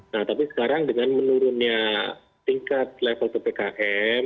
nah tapi sekarang dengan menurunnya tingkat level ppkm